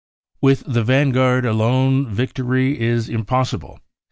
..." With the vanguard alone, victory is impossible.